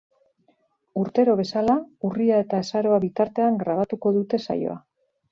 Urtero bezala, urria eta azaroa bitartean grabatuko dute saioa.